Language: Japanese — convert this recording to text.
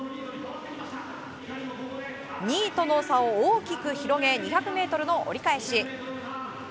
２位との差を大きく広げ２００ｍの折り返し。